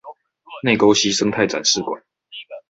內溝溪生態展示館